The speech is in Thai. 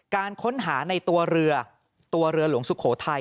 การค้นหาในตัวเรือตัวเรือหลวงสุโขทัย